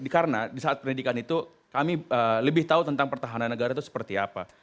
karena di saat pendidikan itu kami lebih tahu tentang pertahanan negara itu seperti apa